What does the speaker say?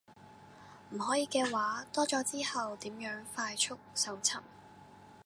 唔可以嘅話，多咗之後點樣快速搜尋